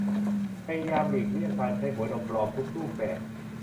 พยายามหลีกเลี่ยงการใช้หัวนมปลอมทุกรูปแบบ